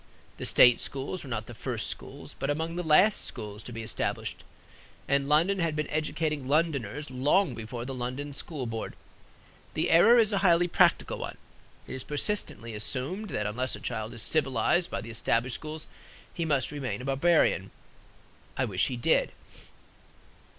The state schools were not the first schools, but among the last schools to be established; and London had been educating Londoners long before the London School Board. The error is a highly practical one. It is persistently assumed that unless a child is civilized by the established schools, he must remain a barbarian. I wish he did.